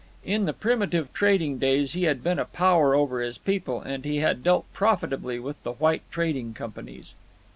In the primitive trading days he had been a power over his people, and he had dealt profitably with the white trading companies.